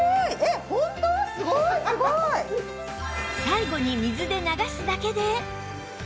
最後に水で流すだけで